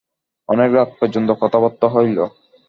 অনেক রাত পর্যন্ত কথাবার্তা হইল।